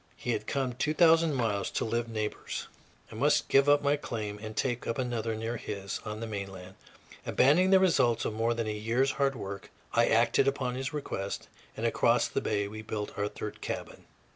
He had come two thousand miles to live neighbors; I must give up my claim and take up another near his, on the mainland. Abandoning the results of more than a year's hard work, I acted upon his request, and across the bay we built our third cabin.